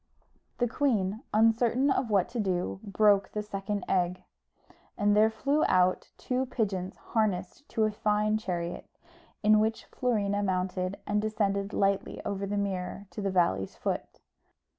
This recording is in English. The queen, uncertain what to do, broke the second egg, and there flew out two pigeons harnessed to a fine chariot, in which Florina mounted, and descended lightly over the mirror to the valley's foot.